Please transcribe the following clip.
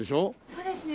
そうですね。